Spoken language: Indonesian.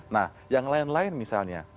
nah yang lain lain misalnya